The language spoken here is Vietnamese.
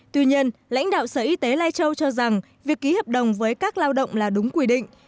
tuy nhiên lãnh đạo sở y tế lai châu cho rằng việc ký hợp đồng với các lao động là đúng quy định